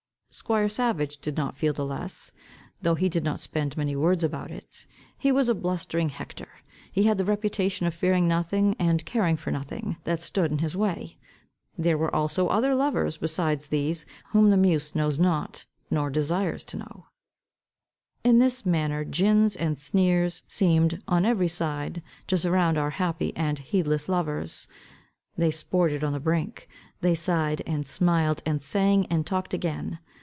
Squire Savage did not feel the less, though he did not spend many words about it. He was a blustering hector. He had the reputation of fearing nothing, and caring for nothing, that stood in his way. There were also other lovers beside these, whom the muse knows not, nor desires to know. In this manner gins and snares seemed, on every side, to surround our happy and heedless lovers. They sported on the brink. They sighed, and smiled, and sang, and talked again.